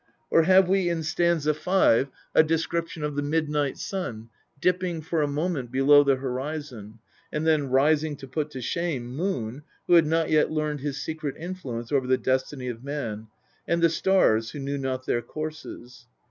Or have we in St. 5 a description of the midnight sun dipping for a moment below the horizon, and then rising to put to shame Moon, who had not yet learned his secret influence over the destiny of man, and the stars, who knew not their courses